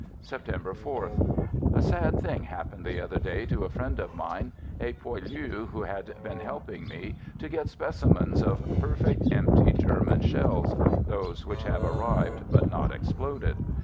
September Uh. A sad thing happened the other day to a friend of mine, a poilu who has been helping me to get specimens of perfect, empty German shells (those which have "arrived," but not exploded).